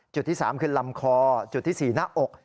จุดที่๓คือลำคอจุดที่๔หน้าอก